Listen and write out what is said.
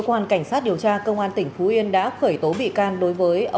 và lấy những nhân tố đó